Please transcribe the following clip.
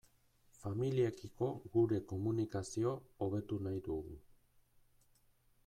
Familiekiko gure komunikazio hobetu nahi dugu.